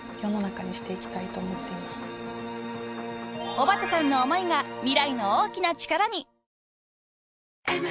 ［小幡さんの思いが未来の大きな力に］